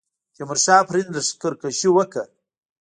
تیمورشاه پر هند لښکرکښي وکړه.